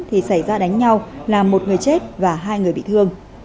thì xảy ra đánh nhau làm một người chết và hai người bị thương